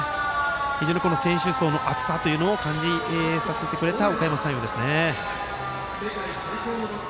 非常に選手層の厚さというのを感じさせてくれたおかやま山陽ですね。